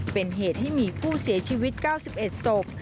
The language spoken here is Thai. เป็นเหตุให้มีผู้เสียชีวิต๙๑ศพ